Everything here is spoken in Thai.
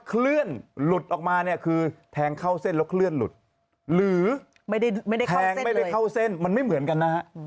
เคลื่อนหลุดออกมาเนี่ยคือแทงเข้าเส้นแล้วเคลื่อนหลุดหรือไม่ได้แทงไม่ได้เข้าเส้นมันไม่เหมือนกันนะฮะ